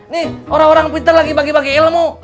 nih orang orang twitter lagi bagi bagi ilmu